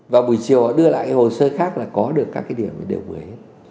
và buổi chiều họ đưa lại cái hồ sơ khác là có được các cái điểm mới